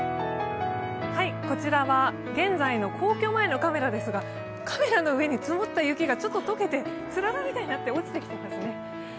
こちらは現在の皇居前のカメラですがカメラの上に積もった雪がちょっと解けてつららみたいになって落ちてきてますね。